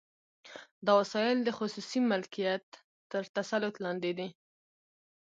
دا وسایل د خصوصي مالکیت تر تسلط لاندې دي